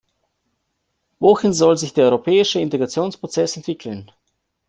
Wohin soll sich der europäische Integrationsprozess entwickeln?